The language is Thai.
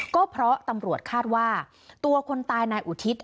ก็เพราะตำรวจคาดว่าตัวคนตายนายอุทิศ